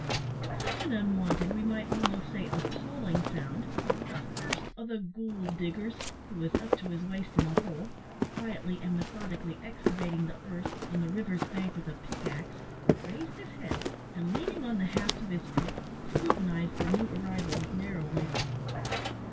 At such an unwonted, we might almost say, appalling, sound, the "first o' the goold diggers," who was up to his waist in a hole, quietly and methodically excavating the earth on the river's bank with a pick axe raised his head, and, leaning on the haft of his pick, scrutinised the new arrivals narrowly.